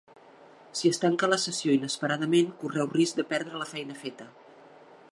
Si es tanca la sessió inesperadament correu risc de perdre la feina feta.